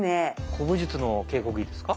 古武術の稽古着ですか？